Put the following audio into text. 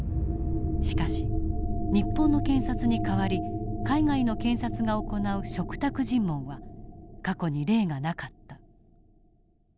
しかし日本の検察に代わり海外の検察が行う嘱託尋問は過去に例がなかった。